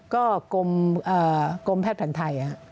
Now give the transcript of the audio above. ก็กรมแพทย์แผนไทย